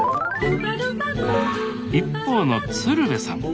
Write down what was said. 一方の鶴瓶さん